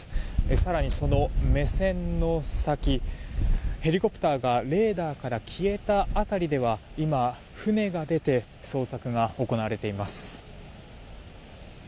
更に、その目線の先ヘリコプターがレーダーから消えた辺りでは今、船が出て捜索が行われています。